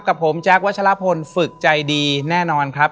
กับผมแจ๊ควัชลพลฝึกใจดีแน่นอนครับ